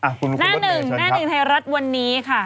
หน้าหนึ่งหน้าหนึ่งไทยรัฐวันนี้ค่ะ